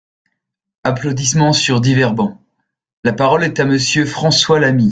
(Applaudissements sur divers bancs.) La parole est à Monsieur François Lamy.